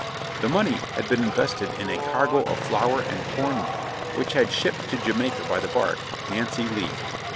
The money had been invested in a cargo of flour and corn meal which had been shipped to Jamaica by the bark Nancy Lee.